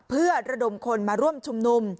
เพื่อระดมคนมาร่วมชุมนุม